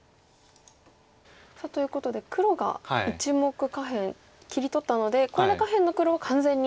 ということで黒が１目下辺切り取ったのでこれで下辺の黒は完全に。